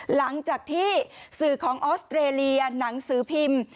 หลังจากที่สื่อของออสเตรเลียหนังสือพิมพ์